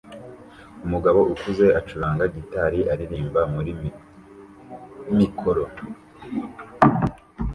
Umugabo ukuze acuranga gitari aririmba muri mikoro